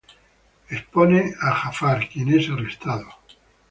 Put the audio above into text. Ellos exponen a Jafar quien es arrestado.